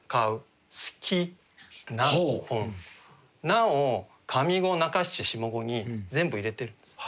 「な」を上五中七下五に全部入れてるんです。